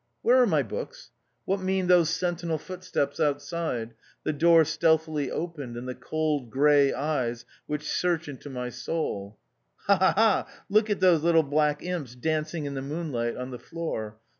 Where are my books ? What mean those sentinel footsteps outside, the door stealthily opened, and the cold grey eyes which search into my soul ? Ha ! ha ! ha I Look at those little black imps dancing in the moonlight on the floor!